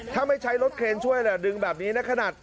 ถ้าไม่ใช้รถเครนช่วยดึงแบบนี้นะขนาด